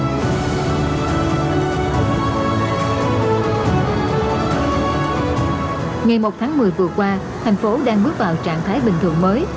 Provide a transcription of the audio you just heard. ngày một tháng một mươi vừa qua thành phố đang bước vào trạng thái bình thường mới